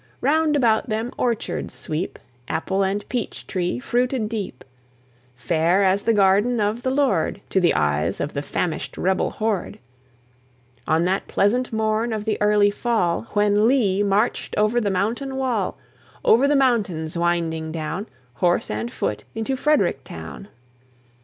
Roundabout them orchards sweep, Apple and peach tree fruited deep, Fair as the garden of the Lord To the eyes of the famished rebel horde, On that pleasant morn of the early fall When Lee marched over the mountain wall, Over the mountains winding down, Horse and foot, into Frederick town.